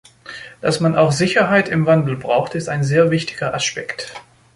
Dass man auch Sicherheit im Wandel braucht, ist ein sehr wichtiger Aspekt.